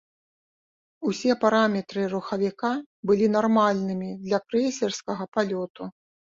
Усе параметры рухавіка былі нармальнымі для крэйсерскага палёту.